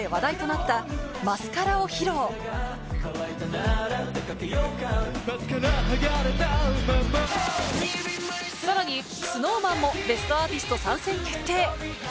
マスカラ剥がれたままさらにＳｎｏｗＭａｎも『ベストアーティスト』参戦決定